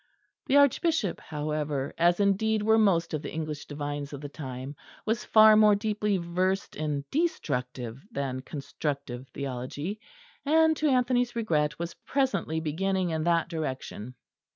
The Archbishop, however, as indeed were most of the English Divines of the time, was far more deeply versed in destructive than constructive theology; and, to Anthony's regret, was presently beginning in that direction.